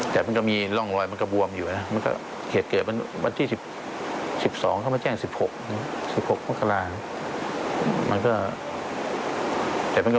แต่มันก็มีร่องรอยครึ่งครับ